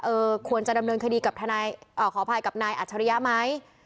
เออควรจะดำเนินคดีขออภัยกับนายอัชริยะไหม